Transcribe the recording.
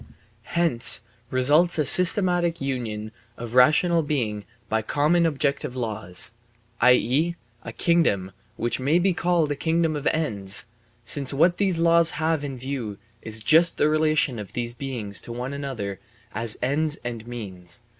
Hence results a systematic union of rational being by common objective laws, i.e., a kingdom which may be called a kingdom of ends, since what these laws have in view is just the relation of these beings to one another as ends and means.